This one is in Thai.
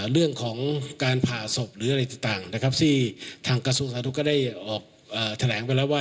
เอาผิดได้ทุกคดีค่ะ